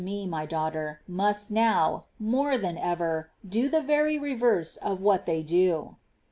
Me, My daughter, must now, more than ever, do the very reverse of what they do."